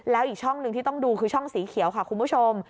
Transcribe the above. แล้วอีกช่องหนึ่งที่ต้องดูคือช่องสีเขียวค่ะคุณผู้ชม